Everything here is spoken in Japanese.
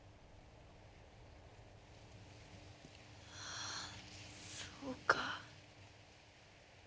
ああそうか。